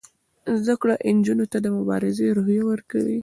زده کړه نجونو ته د مبارزې روحیه ورکوي.